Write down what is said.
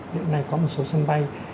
hiện nay có một số sân bay